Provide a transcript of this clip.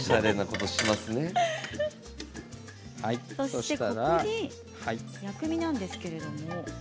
ここに薬味なんですけれども。